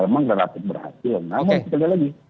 namun sekali lagi